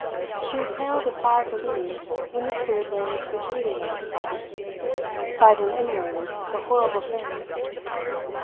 She exhaled a sigh of relief when the spear blades retreated out of sight, sliding inward the horrible things!